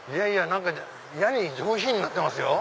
いやに上品になってますよ。